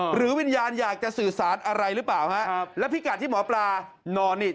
วิญญาณอยากจะสื่อสารอะไรหรือเปล่าฮะครับแล้วพิกัดที่หมอปลานอนนี่